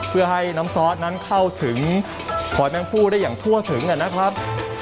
เพื่อให้น้ำซอสนั้นเข้าถึงหอยแมงฟู้ได้อย่างทั่วถึงนะครับ